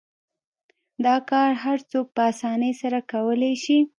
دا کار هر څوک په اسانۍ سره کولای شي.